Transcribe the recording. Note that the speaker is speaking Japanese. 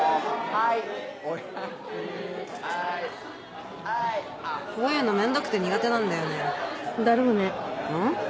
はいおやきはーいはーいこういうのめんどくて苦手なんだよねだろうねん？